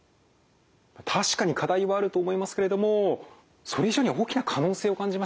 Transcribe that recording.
確かに課題はあると思いますけれどもそれ以上に大きな可能性を感じました。